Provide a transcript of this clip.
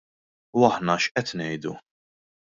U aħna x'qed ngħidu?